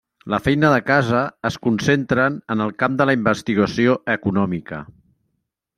La feina de casa es concentren en el camp de la investigació econòmica.